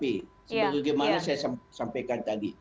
sebenarnya gimana saya sampaikan tadi